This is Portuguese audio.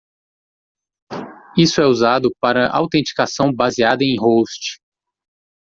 Isso é usado para autenticação baseada em host.